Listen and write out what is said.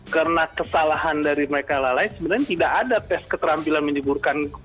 karena kesalahan dari mereka lalai sebenarnya tidak ada tes keterampilan menimbulkan penyelidikan